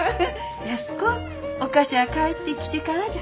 安子お菓子ゃあ帰ってきてからじゃ。